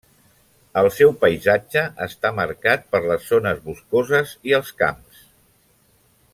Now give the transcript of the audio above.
El seu paisatge està marcat per les zones boscoses i els camps.